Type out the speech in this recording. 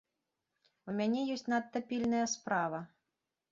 У мяне ёсць надта пільная справа.